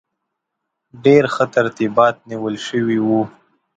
ډېر ښه ترتیبات نیول شوي وو.